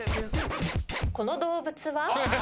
この動物は？